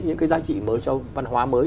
những cái giá trị mới cho văn hóa mới